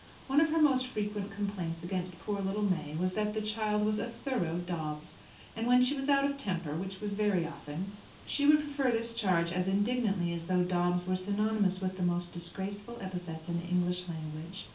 One of her most frequent complaints against poor little May was that the child was "a thorough Dobbs." And when she was out of temper which was very often she would prefer this charge as indignantly as though Dobbs were synonymous with the most disgraceful epithets in the English language.